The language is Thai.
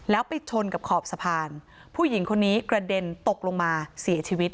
แล้วไปชนกับขอบสะพานผู้หญิงคนนี้กระเด็นตกลงมาเสียชีวิต